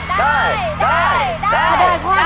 ถ้าได้ข้อนี้นะครับ